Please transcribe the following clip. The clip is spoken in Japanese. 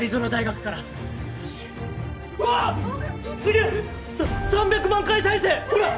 げっさ３００万回再生ほらっ